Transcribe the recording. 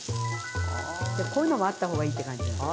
こういうのもあった方がいいって感じじゃない。